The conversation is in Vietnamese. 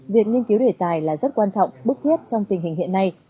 việc nghiên cứu đề tài là rất quan trọng bức thiết trong tình hình hiện nay